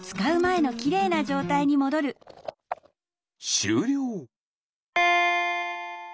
しゅうりょう！